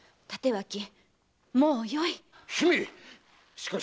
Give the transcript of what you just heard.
しかし。